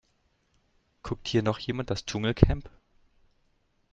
Guckt hier noch jemand das Dschungelcamp?